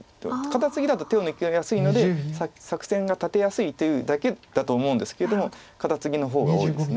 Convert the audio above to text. カタツギだと手を抜きやすいので作戦が立てやすいというだけだと思うんですけどもカタツギの方が多いです。